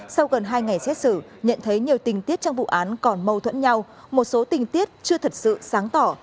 sau gần hai ngày xét xử nhận thấy nhiều tình tiết trong vụ án còn mâu thuẫn nhau một số tình tiết chưa thật sự sáng tỏ